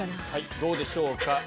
どうでしょうか。